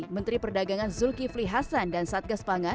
menteri perdagangan zulkifli hasan dan satgas pangan